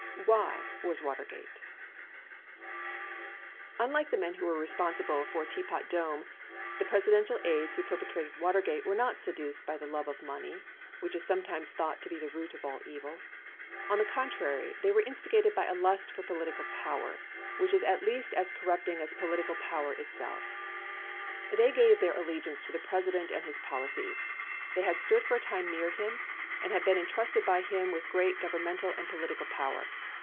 Why Was Watergate ? Unlike the men who were responsible for Teapot Dome, the Presi dential aides who perpetrated Watergate were not seduced by the love of money, which is sometimes thought to be the root of all evil. On the contrary, they were instigated by a lust for political power, which is at least as corrupting as political power itself. They gave their allegiance to the President and his policies. They had stood for a time near to him, and had been entrusted by him with great, governmental and political power.